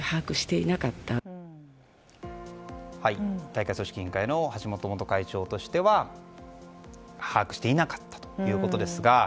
大会組織委員会の橋本元会長としては把握していなかったということですが。